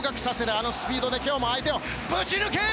あのスピードで今日も相手をぶち抜け！